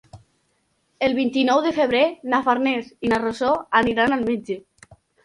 El vint-i-nou de febrer na Farners i na Rosó aniran al metge.